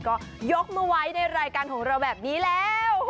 ก็ยกมาไว้ในรายการของเราแบบนี้แล้ว